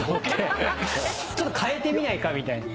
ちょっと替えてみないかみたいな。